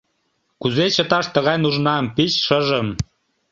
Кузе чыташ тыгай нужнам, пич шыжым?